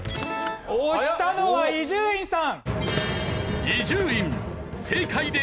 押したのは伊集院さん！